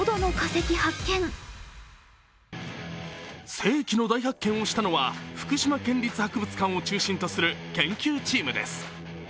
世紀の大発見をしたのは福島県立博物館を中心とする研究チームです。